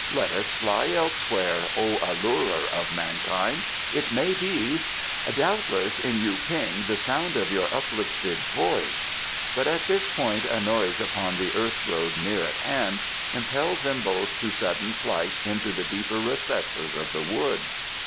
"Let us fly elsewhere, O allurer of mankind! It may be " "Doubtless in Yu ping the sound of your uplifted voice " But at this point a noise upon the earth road, near at hand, impelled them both to sudden flight into the deeper recesses of the wood.